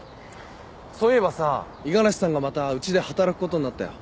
そういえばさ五十嵐さんがまたうちで働くことになったよ。